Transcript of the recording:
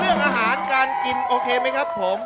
เรื่องอาหารการกินโอเคไหมครับผม